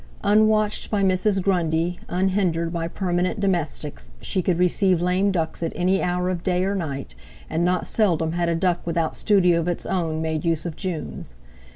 Unwatched by Mrs. Grundy, unhindered by permanent domestics, she could receive lame ducks at any hour of day or night, and not seldom had a duck without studio of its own made use of June's.